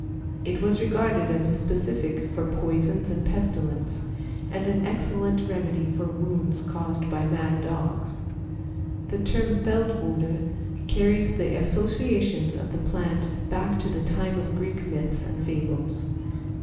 It was regarded as a specific for poisons and pestilence, and an excellent remedy for wounds caused by mad dogs. The term Feldwode carries the associations of the plant back to the time of Greek myths and fables.